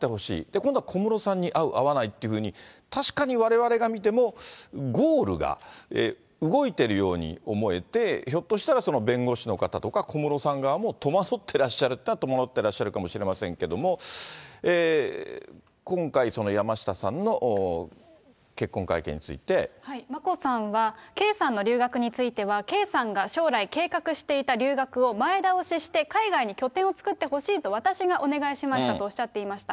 今度は小室さんに会う、会わないっていうふうに、確かにわれわれが見てもゴールが動いてるように思えて、ひょっとしたら、弁護士の方とか小室さん側も、戸惑ってらっしゃるといえば、戸惑ってらっしゃるかもしれませんけれども、今回、山下さんの結婚会見について。眞子さんは圭さんの留学については圭さんが将来、計画していた留学を前倒しして、海外に拠点を作ってほしいと、私がお願いしましたとおっしゃっていました。